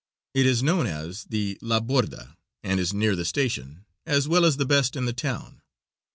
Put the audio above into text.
It is known as the La Borda, and is near the station, as well as the best in the town.